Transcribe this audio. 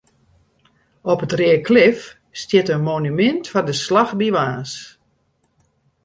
Op it Reaklif stiet in monumint foar de slach by Warns.